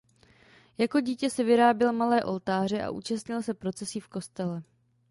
Jako dítě si vyráběl malé "oltáře" a účastnil se procesí v kostele.